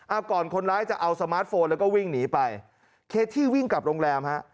เอาก่อนคนร้ายจะเอาสมาร์ทโฟนแล้วก็วิ่งหนีไปเคสที่วิ่งกลับโรงแรมฮะ